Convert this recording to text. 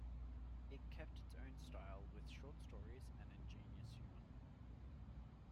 It kept its own style with short stories and ingenuous humour.